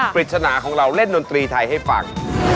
ปริศนาของเราเล่นดนตรีไทยให้ฟัง